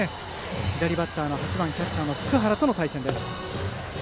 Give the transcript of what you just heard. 左バッターのキャッチャー８番の福原との対戦。